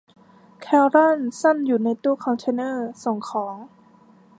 แครอลซ่อนอยู่ในตู้คอนเทนเนอร์ส่งของ